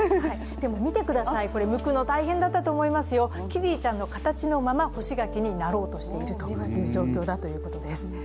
でも見てください、むくの大変だったと思いますよ、キティちゃんの形のまま、干し柿になろうとしているという状況だということです。